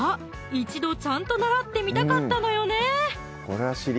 一度ちゃんと習ってみたかったのよね！